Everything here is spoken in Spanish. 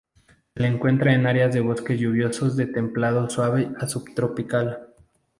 Se le encuentra en áreas de bosque lluvioso de templado suave a subtropical.